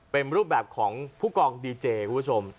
เป็นรูปแบบของผู้กองดีเจคุณผู้ชม